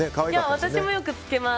私もよく着けます。